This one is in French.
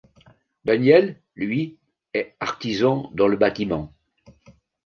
Daniel, lui, est artisan dans le bâtiment.